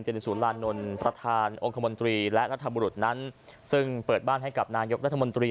เจรสุลานนลประธานองค์คมนตรี